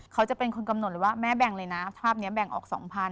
เขาจะเป็นคนกำหนดเลยว่าแม่แบ่งเลยนะภาพนี้แบ่งออก๒๐๐๐